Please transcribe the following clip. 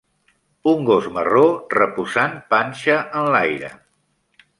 Un gos marró reposant panxa enlaire.